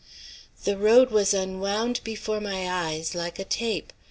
The road was unwound before my eyes like a tape.